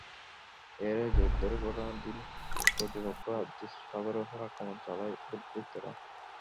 এরই জের ধরে ঘটনার দিন প্রতিপক্ষ আবদুস সাত্তারের ওপর আক্রমণ চালায় দুর্বৃত্তরা।